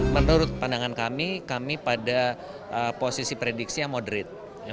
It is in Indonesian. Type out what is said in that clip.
menurut pandangan kami kami pada posisi prediksi yang moderate